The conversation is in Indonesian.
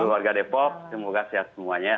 warga depok semoga sehat semuanya